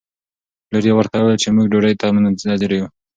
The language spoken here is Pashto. لور یې ورته وویل چې موږ ډوډۍ ته منتظره یو.